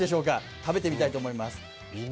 食べてみたいと思います。